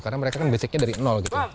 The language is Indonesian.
karena mereka kan basicnya dari nol gitu